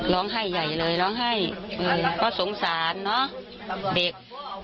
ร้องไห้ใหญ่เลยร้องไห้เพราะสงสารเนอะเด็ก